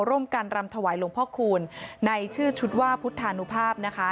ร่วมกันรำถวายหลวงพ่อคูณในชื่อชุดว่าพุทธานุภาพนะคะ